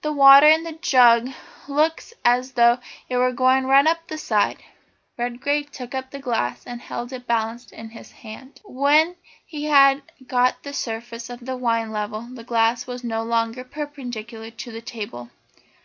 the water in the jug looks as though it were going to run up the side." Redgrave took up the glass and held it balanced in his hand. When he had got the surface of the wine level the glass was no longer perpendicular to the table.